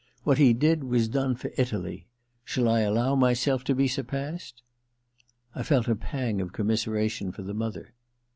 What he did was done for Italy : shall I allow myself to be surpassed ?' I felt a pang of commiseration for the mother.